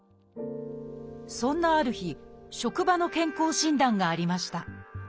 そんなある日職場の健康診断がありました。